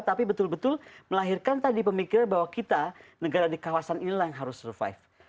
tapi betul betul melahirkan tadi pemikiran bahwa kita negara di kawasan inilah yang harus survive